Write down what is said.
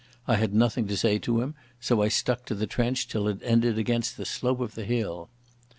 I had nothing to say to him, so I stuck to the trench till it ended against the slope of the hill.